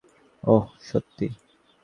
ওহ, সত্যি!